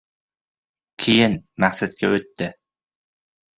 Keyin, maqsadga o‘tdi.